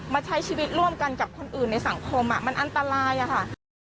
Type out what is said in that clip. ใช้ชีวิตร่วมกันกับคนอื่นในสังคมมันอันตรายอะค่ะ